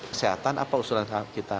kesehatan apa usulan kita